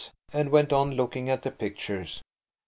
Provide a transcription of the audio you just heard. and went on looking at the pictures.